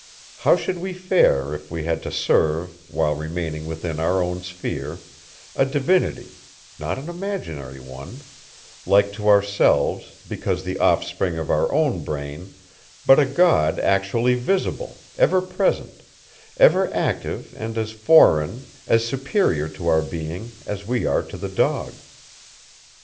How should we fare if we had to serve, while remaining within our own sphere, a divinity, not an imaginary one, like to ourselves, because the offspring of our own brain, but a god actually visible, ever present, ever active and as foreign, as superior to our being as we are to the dog?